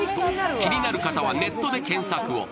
気になる方はネットで検索を。